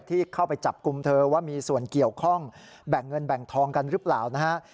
ที่เข้าไปจับกลุ่มเธอว่ามีส่วนเกี่ยวข้องแบ่งเงินแบ่งทองกันหรือเปล่านะฮะ